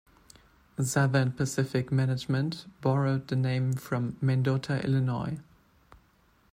Southern Pacific management borrowed the name from Mendota, Illinois.